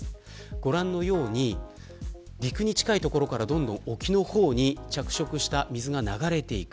ご覧のように陸に近い所からどんどん沖の方に着色した水が流れていく。